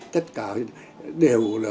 tất cả đều là